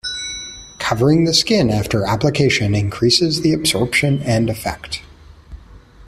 Covering the skin after application increases the absorption and effect.